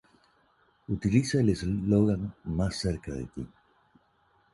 Utiliza el eslogan "Más cerca de ti".